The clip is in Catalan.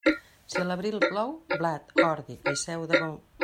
Si a l'abril plou, blat, ordi i seu de bou.